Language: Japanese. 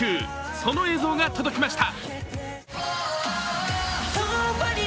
その映像が届きました。